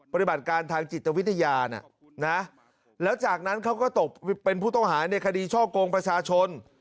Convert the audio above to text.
ปฏิบัติการทางจิตวิทยานะแล้วจากนั้นเขาก็ตกเป็นผู้ต้องหาในคดีช่อกงประชาชน